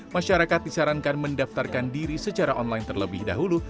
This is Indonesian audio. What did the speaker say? masyarakat disarankan mendaftarkan diri secara online terlebih dahulu